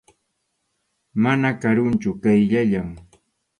Mana karuchu, qayllallam.